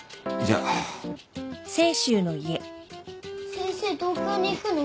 先生東京に行くの？